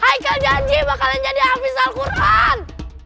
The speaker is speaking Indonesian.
haikal janji bakalan jadi hafiz al quran